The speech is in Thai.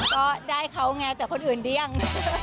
ก็ได้เขาไงแต่คนอื่นเดี้ยง